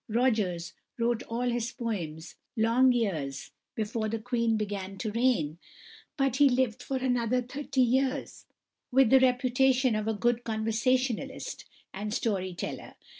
Rogers wrote all his poems long years before the Queen began to reign, but he lived for another thirty years with the reputation of a good conversationalist and story teller.